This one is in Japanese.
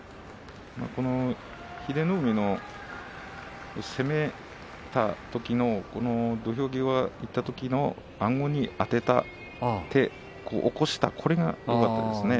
英乃海の攻めたときの土俵際にいったときのあごにあてて起こしたそれがよかったですね。